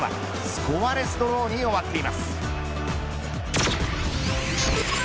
スコアレスドローに終わっています。